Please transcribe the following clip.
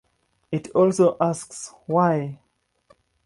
It also asks Why?